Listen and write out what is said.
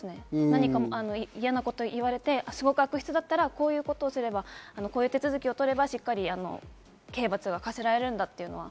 何か嫌なこと言われて、悪質だったらこういうことをすれば、こういう手続きをとれば、しっかり刑罰が科せられるんだと。